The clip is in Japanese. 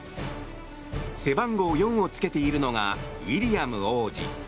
背番号４をつけているのがウィリアム王子。